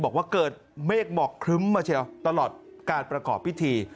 บอกว่าเกิดเมฆหมอกครึ้มมาเชียวตลอดการประกอบพิธี